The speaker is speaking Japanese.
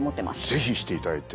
是非していただいて。